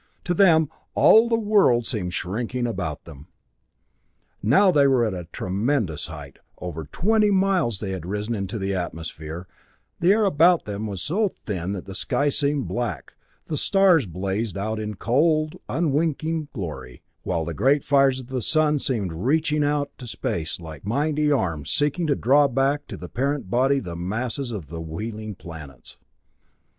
To them all the world seemed shrinking about them. Now they were at a tremendous height; over twenty miles they had risen into the atmosphere; the air about them was so thin that the sky seemed black, the stars blazed out in cold, unwinking glory, while the great fires of the sun seemed reaching out into space like mighty arms seeking to draw back to the parent body the masses of the wheeling planets.